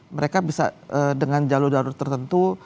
mereka bisa dengan jalur jalur tertentu